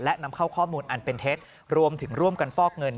และนำเข้าข้อมูลอันเป็นเท็จรวมถึงร่วมกันฟอกเงิน